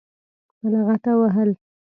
په لغته وهل.